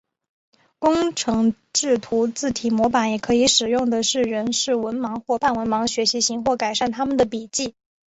工程制图字体模板也可以使用的人是文盲或半文盲学习型或改善他们的笔迹。